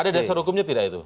ada dasar hukumnya tidak itu